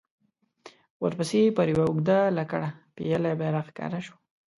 ورپسې پر يوه اوږده لکړه پېيلی بيرغ ښکاره شو.